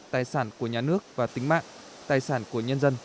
tài sản của nhà nước và tính mạng tài sản của nhân dân